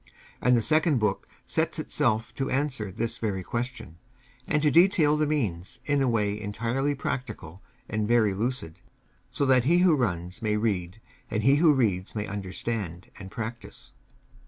And the second book sets itself to answer this very question, and to detail the means in a way entirely practical and very lucid, so that he who runs may read, and he who reads may understand and practise.